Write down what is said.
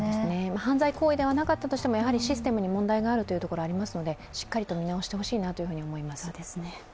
犯罪行為ではなかったとしても、システムに問題があると思いますのでしっかりと見直してほしいなというふうに思います。